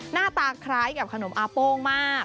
หน้าตาคล้ายกับขนมอาโป้งมาก